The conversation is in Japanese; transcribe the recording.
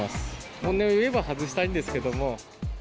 本音を言えば外したいんですけども。